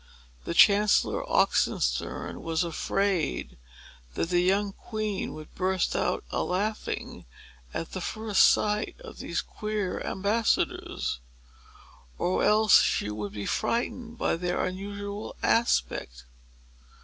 The Chancellor Oxenstiern was afraid that the young queen would burst out a laughing, at the first sight of these queer ambassadors; or else that she would be frightened by their unusual aspect.